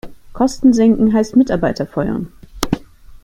Kosten senken heißt Mitarbeiter feuern.